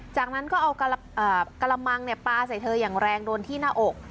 จากนั้นก็เอากระมังปลาใส่เธออย่างแรงโดนที่หน้าอก